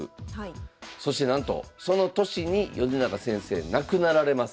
そしてなんとその年に米長先生亡くなられます。